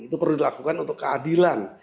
itu perlu dilakukan untuk keadilan